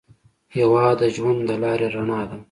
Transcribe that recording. هېواد د ژوند د لارې رڼا ده.